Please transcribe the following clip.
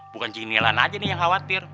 bukan si nelan aja nih yang khawatir